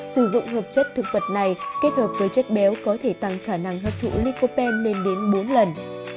sử dụng hợp chất thực vật này kết hợp với chất béo có thể tăng khả năng hấp thụ nicopen lên đến bốn lần